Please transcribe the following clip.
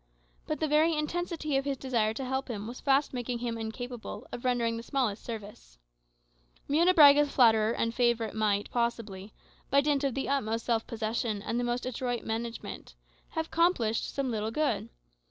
But the very intensity of his desire to help him was fast making him incapable of rendering him the smallest service. Munebrãga's flatterer and favourite might possibly, by dint of the utmost self possession and the most adroit management, have accomplished some little good.